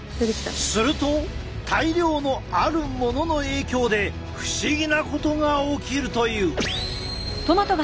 すると大量のあるものの影響で不思議なことが起きるという。